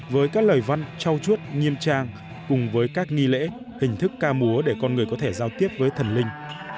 với các lời văn trao chuốt nghiêm trang cùng với các nghi lễ hình thức ca múa để con người có thể giao tiếp với thần linh